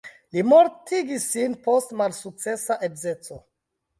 Li mortigis sin post malsukcesa edzeco.